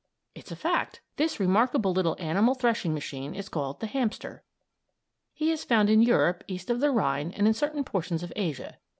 It's a fact. This remarkable little animal threshing machine is called the hamster. He is found in Europe east of the Rhine and in certain portions of Asia.